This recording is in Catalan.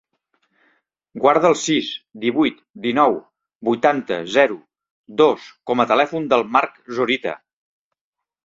Guarda el sis, divuit, dinou, vuitanta, zero, dos com a telèfon del Marc Zorita.